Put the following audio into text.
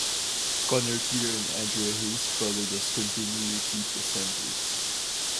Conor Clear and Andrea Hayes followed as continuity presenters.